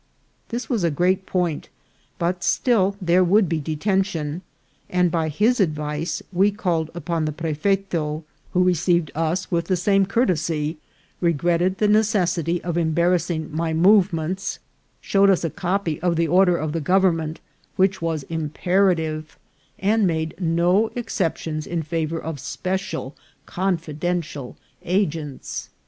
This was a great point, but still there would be detention; and by his advice we called upon the prefeto, who received us with the same courtesy, regretted the necessity of embarrassing my movements, showed us a copy of the order of the gov OFFICIAL COURTESY. 251 eminent, which was imperative, and made no excep tions in favour of Special Confidential Agents.